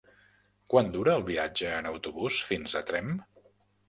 Quant dura el viatge en autobús fins a Tremp?